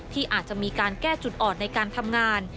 ที่อาจจะมีการแก้จุดอ่อนในการทำงาน